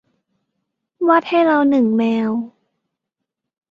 วาดให้เราหนึ่งแมว